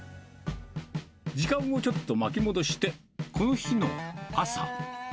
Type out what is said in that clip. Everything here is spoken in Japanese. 時間をちょっと巻き戻して、この日の朝。